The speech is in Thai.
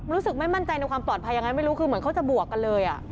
รู้สึกไม่มั่นใจในความปลอดภัยยังไงไม่รู้คือเหมือนเขาจะบวกกันเลย